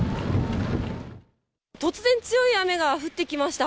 突然強い雨が降ってきました。